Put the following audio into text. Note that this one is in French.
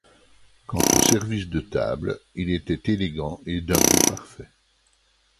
Quant au service de table, il était élégant et d’un goût parfait.